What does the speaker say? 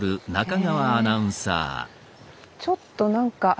ちょっと何か。